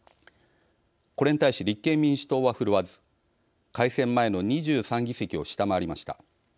これに対し立憲民主党は振るわず改選前の２３議席を下回りました。